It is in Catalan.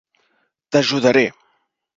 T'ajudaré.